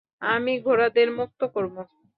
আমি ঘোড়াদের মুক্ত করব।